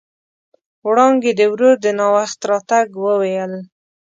وړانګې د ورور د ناوخت راتګ وويل.